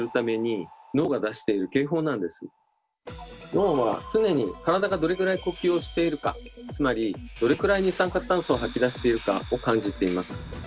脳は常に「体がどれくらい呼吸をしているか」つまり「どれくらい二酸化炭素を吐き出しているか」を感じています。